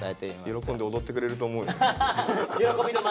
喜びの舞してくれると思うよ。